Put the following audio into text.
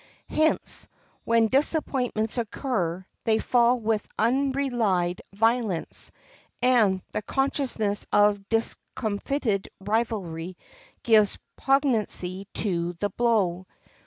Hence, when disappointments occur, they fall with unrelieved violence, and the consciousness of discomfited rivalry gives poignancy to the blow.